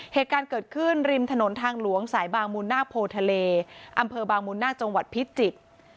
เหตุการณ์เกิดขึ้นริมถนนทางหลวงสายบางมุนนาคโพทะเลอำเภอบางมุนนาคจังหวัดพิจิตร